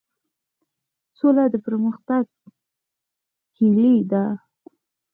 سوله د پرمختګ کیلي ده؟